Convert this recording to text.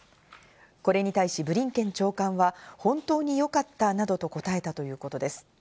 これに対しブリンケン長官は、本当によかったなどと答えたということです。